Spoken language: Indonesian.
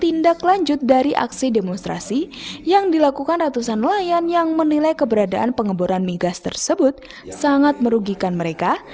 tindak lanjut dari aksi demonstrasi yang dilakukan ratusan nelayan yang menilai keberadaan pengeboran migas tersebut sangat merugikan mereka